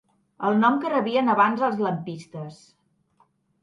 El nom que rebien abans els lampistes.